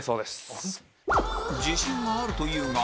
自信があるというが